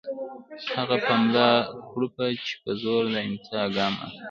هغه په ملا کړوپه چې په زور د امساء ګام اخلي